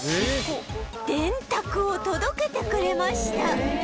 電卓を届けてくれました